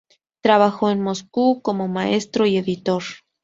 Trabajó en Moscú como maestro y editor.